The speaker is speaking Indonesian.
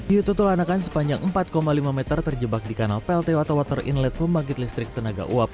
yutul anakan sepanjang empat lima meter terjebak di kanal plt atau water inlet pembangkit listrik tenaga uap